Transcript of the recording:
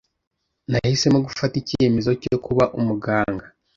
Nahisemo gufata icyemezo cyo kuba umuganga.